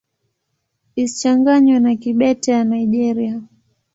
Isichanganywe na Kibete ya Nigeria.